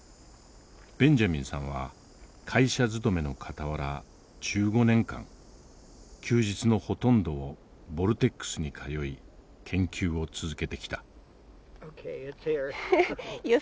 ベンジャミンさんは会社勤めのかたわら１５年間休日のほとんどをボルテックスに通い研究を続けてきた。